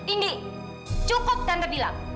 indi cukup tante bilang